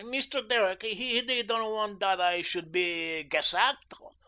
Mist'r Derrick, he doand want dot I should be ge sacked.